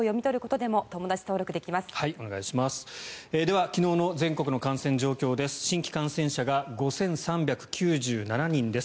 では、昨日の全国の感染状況です。